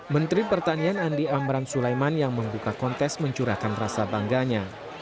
menteri pertanian andi amran sulaiman yang membuka kontes mencurahkan rasa bangganya